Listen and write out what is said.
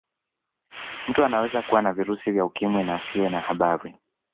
Mtu anaweza kuwa na virusi vya ukimwi na asiwe na habari